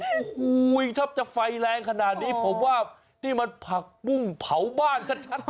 โอ้โหถ้าจะไฟแรงขนาดนี้ผมว่านี่มันผักปุ้งเผาบ้านชัด